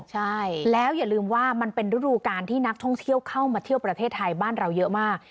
ใช่แล้วอย่าลืมว่ามันเป็นฤดูการที่นักท่องเที่ยวเข้ามาเที่ยวประเทศไทยบ้านเราเยอะมาก